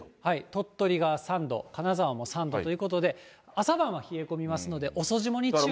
鳥取が３度、金沢も３度ということで、朝晩は冷え込みますので、遅霜に注意。